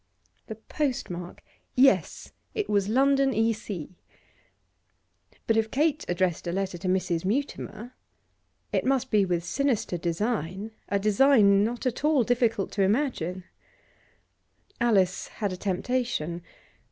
The post mark? Yes, it was London, E.C. But if Kate addressed a letter to Mrs. Mutimer it must be with sinister design, a design not at all difficult to imagine. Alice had a temptation.